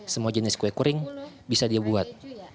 semua jenis kue kering bisa dia buat